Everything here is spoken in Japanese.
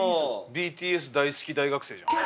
ＢＴＳ大好き大学生じゃん。